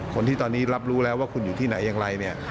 คนที่ตอนนี้รับรู้แล้วว่าคุณอยู่ที่ไหนอย่างไรเนี่ย